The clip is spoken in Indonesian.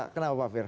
kenapa pak fir